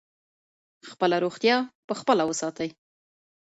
خپله روغتیا په خپله وساتئ.